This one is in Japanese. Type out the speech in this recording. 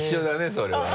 それはね。